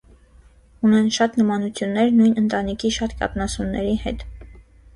Ունեն շատ նմանություններ նույն ընտանիքի շատ կաթնասունների հետ։